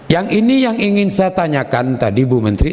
yang ini yang ingin saya tanyakan tadi bu menteri